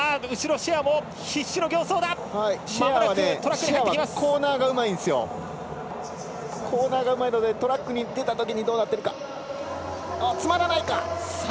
シェアはコーナーがうまいのでトラックに出たときにどうなるか。